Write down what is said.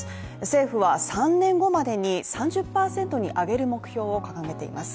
政府は３年後までに３０％に上げる目標を掲げています。